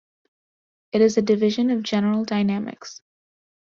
It is a division of General Dynamics.